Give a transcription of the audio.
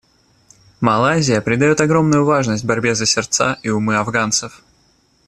Малайзия придает огромную важность борьбе за сердца и умы афганцев.